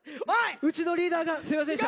うちのリーダーがすみませんでした。